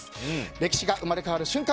歴史が生まれ変わる瞬間